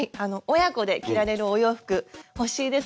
親子で着られるお洋服欲しいですね。